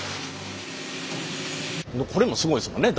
これもすごいですもんね。